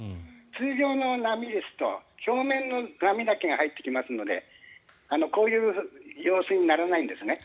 通常の波ですと表面の波だけが入ってきますのでこういう様子にならないです。